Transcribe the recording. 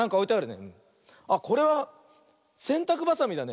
あっこれはせんたくばさみだね。